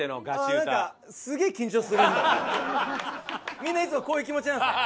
みんないつもこういう気持ちなんですね。